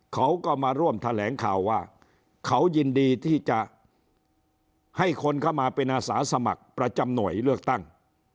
เขาก็มาร่วมแถลงข่าวว่าเขายินดีที่จะให้คนเข้ามาเป็นอาสาสมัครประจำหน่วยเลือกตั้ง